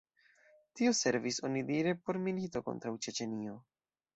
Tio servis onidire por milito kontraŭ Ĉeĉenio.